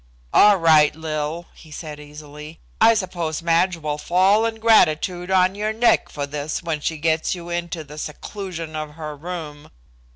"All right, Lil," he said easily. "I suppose Madge will fall in gratitude on your neck for this when she gets you into the seclusion of her room.